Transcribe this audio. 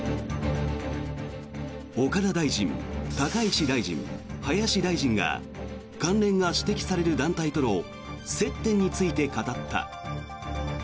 岡田大臣、高市大臣、林大臣が関連が指摘される団体との接点について語った。